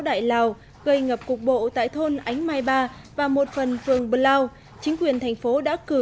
đại lào gây ngập cục bộ tại thôn ánh mai ba và một phần vườn bờ lao chính quyền thành phố đã cử